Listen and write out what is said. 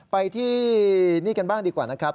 ไปที่นี่กันบ้างดีกว่านะครับ